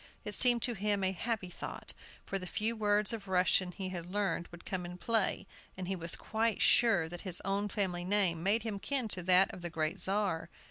It seemed to him a happy thought, for the few words of Russian he had learned would come in play, and he was quite sure that his own family name made him kin to that of the great Czar.